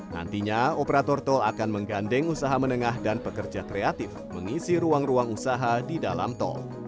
nantinya operator tol akan menggandeng usaha menengah dan pekerja kreatif mengisi ruang ruang usaha di dalam tol